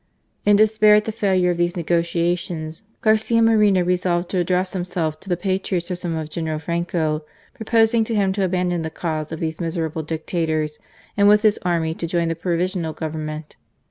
In despair at the failure of these negotiations, Garcia Moreno resolved to uddress himself to the patriotism of General Franco, proposing to him to abandon the cause of these miserable dictators and with his army to join the Provisional Government.